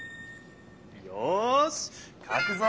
よしかくぞ！